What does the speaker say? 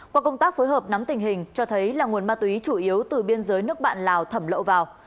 qua công tác phối hợp nắm tình hình cho thấy là nguồn ma túy chủ yếu từ biên giới nước bạn lào thẩm lậu vào